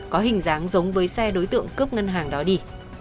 có hình dáng giống với xe đối tượng cướp ngân hàng đó đi